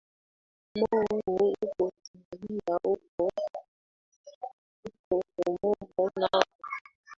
mo huu uko tanzania huko comoro nako